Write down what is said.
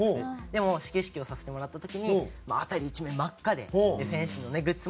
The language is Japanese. でも始球式をさせてもらった時に辺り一面真っ赤で選手のグッズ